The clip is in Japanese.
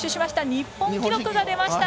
日本記録が出ました！